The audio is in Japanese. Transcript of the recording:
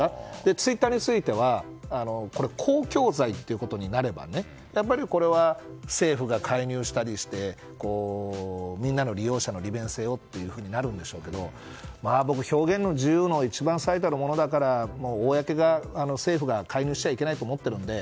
ツイッターについてはこれが公共財ということになればこれは政府が介入したりしてみんな、利用者の利便性をとなるんでしょうけど僕、表現の自由の一番最たるものだから公の、政府が介入しちゃいけないと思うので。